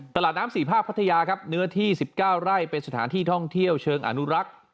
ตลาดน้ำ๔ภาคพัทยาครับเนื้อที่๑๙ไร่เป็นสถานที่ท่องเที่ยวเชิงอนุรักษ์